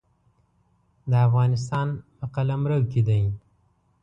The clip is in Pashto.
د افغانستان په قلمرو کې دی.